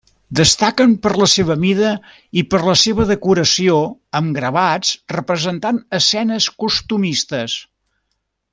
Destaquen per la seva mida i per la seva decoració amb gravats representant escenes costumistes.